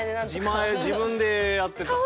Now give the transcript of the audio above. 自前自分でやってたから。